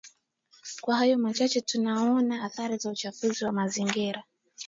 Kwa hayo machache tunaona athari za uchafuzi wa mazingira